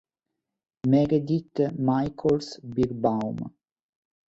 Meredith Michaels-Beerbaum